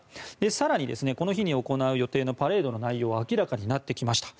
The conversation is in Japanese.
更に、この日に行う予定のパレードの予定が明らかになってきました。